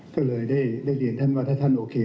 ก็เลยได้เรียนถ้าท่านโอเค